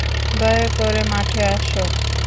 দয়া করে মাঠে আসো।